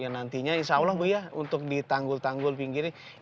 yang nantinya insya allah bu ya untuk ditanggul tanggul pinggirnya